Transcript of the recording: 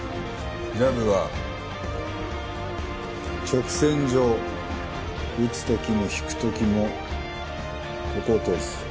ジャブは直線上打つ時も引く時もここを通す。